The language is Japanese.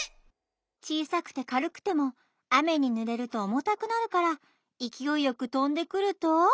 ちいさくてかるくてもあめにぬれるとおもたくなるからいきおいよくとんでくると。